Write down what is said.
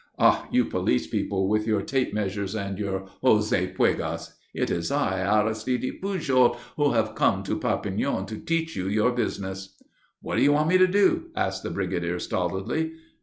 Ah! you police people with your tape measures and your José Puégas! It is I, Aristide Pujol, who have to come to Perpignan to teach you your business!" "What do you want me to do?" asked the brigadier stolidly.